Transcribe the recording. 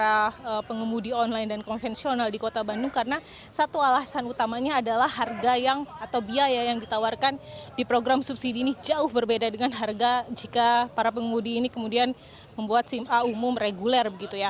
saya sangat berharap karena saya juga penggemudi online dan konvensional di kota bandung karena satu alasan utamanya adalah harga yang atau biaya yang ditawarkan di program subsidi ini jauh berbeda dengan harga jika para pengemudi ini kemudian membuat sim a umum reguler